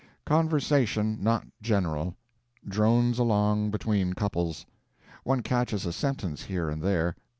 Conversation not general; drones along between couples. One catches a sentence here and there.